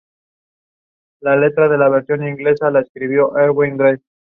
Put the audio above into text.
Me refiero a aspectos tanto musicales como comerciales.